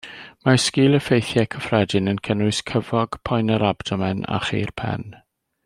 Mae sgil-effeithiau cyffredin yn cynnwys cyfog, poenau'r abdomen, a chur pen.